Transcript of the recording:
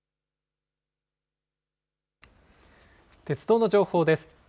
鉄道の情報です。